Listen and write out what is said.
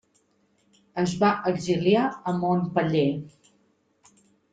Es va exiliar a Montpeller.